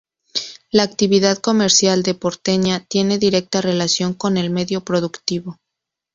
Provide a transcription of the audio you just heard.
La actividad comercial de Porteña tiene directa relación con el medio productivo.